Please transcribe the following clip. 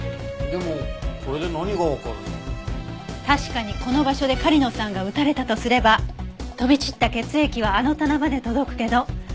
確かにこの場所で狩野さんが撃たれたとすれば飛び散った血液はあの棚まで届くけど。